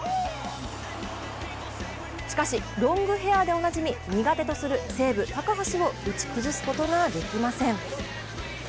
しかし、ロングヘアでおなじみ苦手とする西武・高橋を打ち崩すことができません。